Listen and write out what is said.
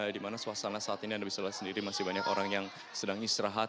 di mana suasana saat ini anda bisa lihat sendiri masih banyak orang yang sedang istirahat